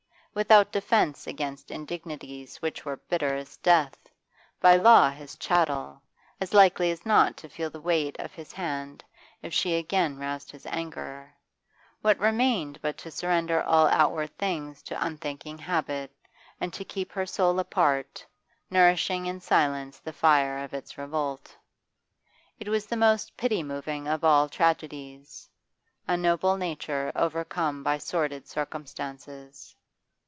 Without defence against indignities which were bitter as death, by law his chattel, as likely as not to feel the weight of his hand if she again roused his anger, what remained but to surrender all outward things to unthinking habit, and to keep her soul apart, nourishing in silence the fire of its revolt? It was the most pity moving of all tragedies, a noble nature overcome by sordid circumstances.